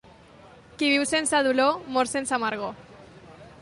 Qui viu sense dolor, mor sense amargor.